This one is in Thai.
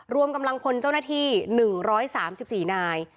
รวมกำลังพลเจ้าหน้าที่๑๓๔นาย